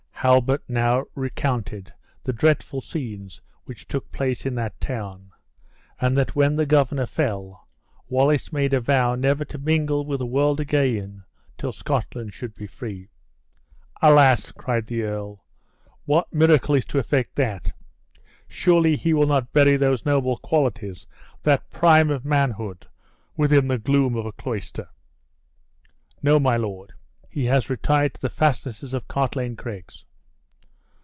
Halbert now recounted the dreadful scenes which took place in that town; and that when the governor fell, Wallace made a vow never to mingle with the world again till Scotland should be free. "Alas!" cried the earl, "what miracle is to effect that? Surely he will not bury those noble qualities, that prime of manhood, within the gloom of a cloister!" "No, my lord; he has retired to the fastnesses of Cartlane Craigs."